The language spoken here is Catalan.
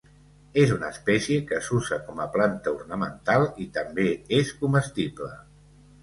És una espècie que s'usa com a planta ornamental, i també és comestible.